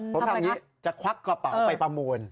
ผมทำอย่างนี้จะควักกระเป๋าไปประมูล